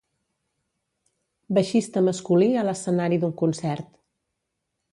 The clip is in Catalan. Baixista masculí a l'escenari d'un concert